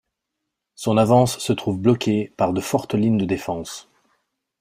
Son avance se trouve bloquée par de fortes lignes de défense.